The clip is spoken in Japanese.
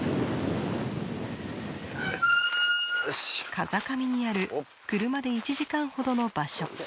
風上にある車で１時間ほどの場所。